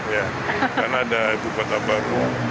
ya karena ada bupata baru